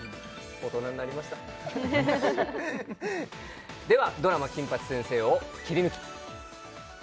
大人になりました・ハハハではドラマ「金八先生」をキリヌキ！